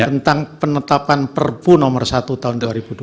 tentang penetapan perpu nomor satu tahun dua ribu dua puluh